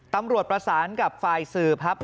ตำรวจประสานกับฝ่ายสื่อครับ